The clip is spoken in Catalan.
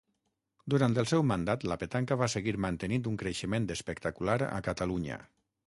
Durant el seu mandat la petanca va seguir mantenint un creixement espectacular a Catalunya.